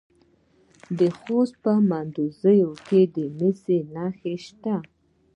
د خوست په مندوزیو کې د مسو نښې شته.